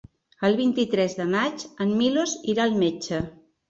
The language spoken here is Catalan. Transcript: El vint-i-tres de maig en Milos irà al metge.